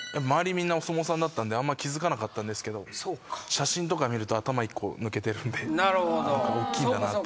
みんなお相撲さんだったんであんま気付かなかったんですけど写真とか見ると頭１個抜けてるんで大きいんだなあって。